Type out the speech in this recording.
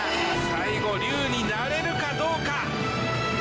最後龍になれるかどうか⁉